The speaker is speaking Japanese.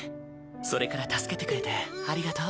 それから助けてくれてありがとう。